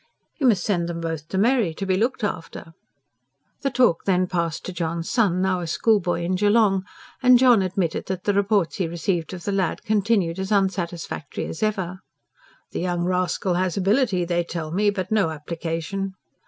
"You must send them both to Mary, to be looked after." The talk then passed to John's son, now a schoolboy in Geelong; and John admitted that the reports he received of the lad continued as unsatisfactory as ever. "The young rascal has ability, they tell me, but no application."